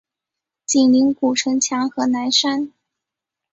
紧邻古城墙和南山。